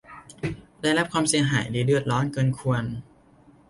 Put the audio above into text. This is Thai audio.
ได้รับความเสียหายหรือเดือดร้อนเกินควร